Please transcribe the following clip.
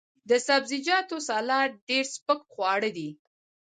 د سبزیجاتو سلاد ډیر سپک خواړه دي.